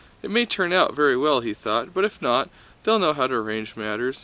"It may turn out very well," he thought, "but if not, they'll know how to arrange matters."